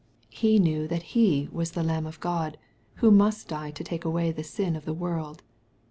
He knew that He was the Lamh of God, who must die to take away the sin of the world.